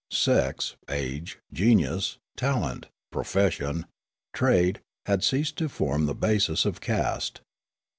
Sex, age, genius, talent, profession, trade had ceased to form the basis of caste.